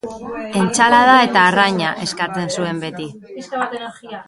Entsalada eta arraina, eskatzen zuen beti.